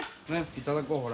いただこうほら。